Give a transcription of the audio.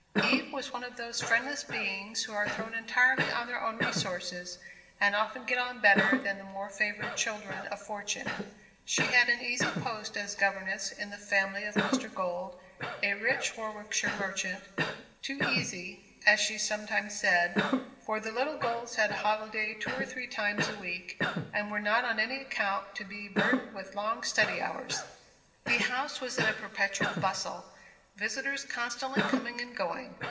Eve was one of those friendless beings who are thrown entirely on their own resources, and often get on better than the more favoured children of fortune. She had an easy post as governess in the family of Mr. Gold, a rich Warwickshire merchant; too easy, as she sometimes said. For the little Golds had holiday two or three times a week, and were not on any account to be burdened with long study hours. The house was in a perpetual bustle; visitors constantly coming and going.